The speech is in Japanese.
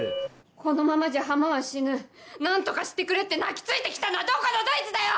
このままじゃ浜は死ぬ何とかしてくれって泣き付いて来たのはどこのどいつだよ